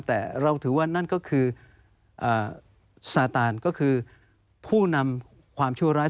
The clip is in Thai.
แต่เราถือว่านั่นก็คือซาตานก็คือผู้นำความชั่วร้าย